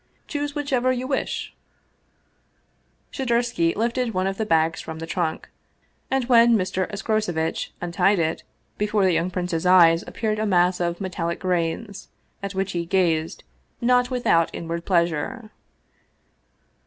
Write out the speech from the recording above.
Choose whichever you wish !" Shadursky lifted one of the bags from the trunk, and when Mr. Escrocevitch untied it, before the young prince's eyes appeared a mass of metallic grains, at which he gazed not without inward pleasure.